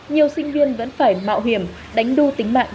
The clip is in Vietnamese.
nhiều sinh viên vẫn phải mạo hiểm đánh đu tính mạng